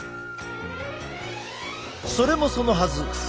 それもそのはず。